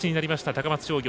高松商業。